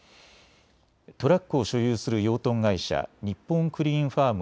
トラックを所有する養豚会社、日本クリーンファーム